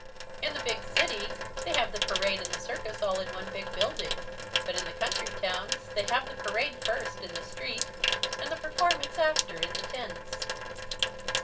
In the big city they have the parade and the circus all in one big building, but in the country towns they have the parade first in the street, and the performance after, in the tents."